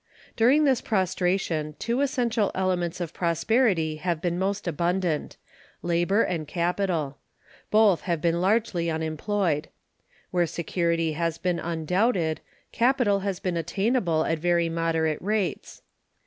During this prostration two essential elements of prosperity have been most abundant labor and capital. Both have been largely unemployed. Where security has been undoubted, capital has been attainable at very moderate rates.